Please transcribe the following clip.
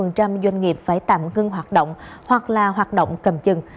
nhiều doanh nghiệp đang ngưng hoạt động hoặc là hoạt động cầm chừng